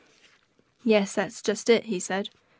"Yes, that is just it," he said.